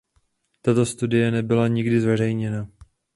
Tato studie nebyla nikdy zveřejněna.